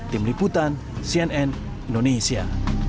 tim liputan cnn indonesia